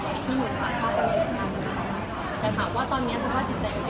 คือที่เกิดให้สามพาทไปมันก็ค่อนข้างหนักสำหรับเรา